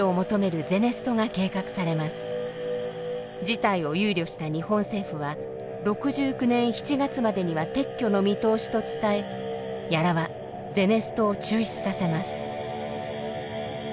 事態を憂慮した日本政府は６９年７月までには撤去の見通しと伝え屋良はゼネストを中止させます。